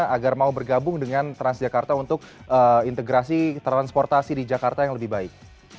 agar mau bergabung dengan transjakarta untuk integrasi transportasi di jakarta yang lebih baik